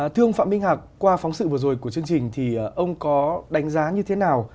thưa ông phạm minh hạc qua phóng sự vừa rồi của chương trình thì ông có đánh giá như thế nào